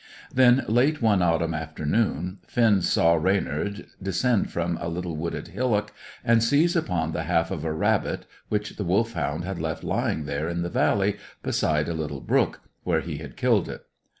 Then, late one autumn afternoon, Finn saw Reynard descend from a little wooded hillock and seize upon the half of a rabbit which the Wolfhound had left lying there in the valley, beside a little brook, where he had killed it.